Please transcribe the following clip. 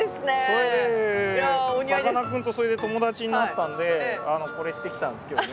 それでさかなクンと友達になったんでこれしてきたんですけどね。